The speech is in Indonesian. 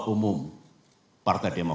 dari negara lainnya